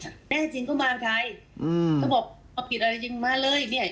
จับแน่นอนแน่จริงก็มาไทยถ้าบอกผิดอะไรจริงมาเลยเนี่ย